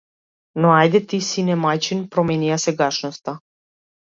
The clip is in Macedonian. Но ајде ти, сине мајчин, промени ја сегашноста!